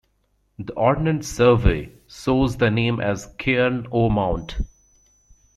The Ordnance Survey shows the name as "Cairn o' Mount".